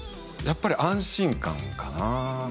やっぱり安心感かなあ